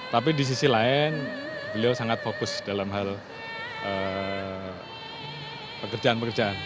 tapi di sisi lain beliau sangat fokus dalam hal pekerjaan pekerjaan